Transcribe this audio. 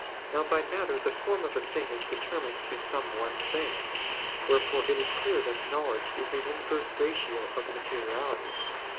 Now by matter the form of a thing is determined to some one thing. Wherefore it is clear that knowledge is in inverse ratio of materiality.